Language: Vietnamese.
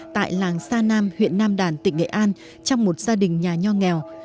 tại làng sa nam huyện nam đàn tỉnh nghệ an trong một gia đình nhà nho nghèo